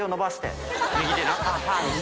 右手な。